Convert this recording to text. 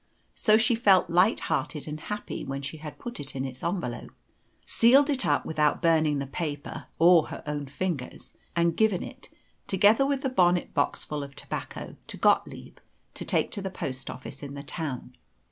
So she felt light hearted and happy when she had put it in its envelope, sealed it up without burning the paper or her own fingers, and given it, together with the bonnet boxful of tobacco, to Gottlieb to take to the post office in the town.